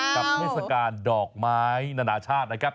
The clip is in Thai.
เทศกาลดอกไม้นานาชาตินะครับ